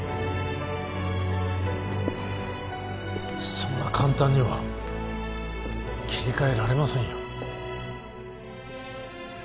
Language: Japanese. そんな簡単には切り替えられませんよ